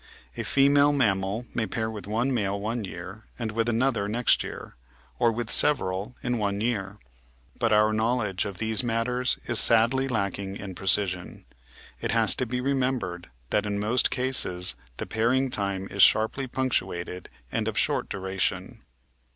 A female mammal may pair with one male one year and with another next year, or with several in one year. But our knowledge of these matters is sadly lacking in precision. It has to be remembered that in most cases the pairing time is sharply pimctuated and of short duration.